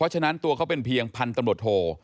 ฉะนั้นตัวเขาเป็นเพียงพันธุ์ตำรวจโท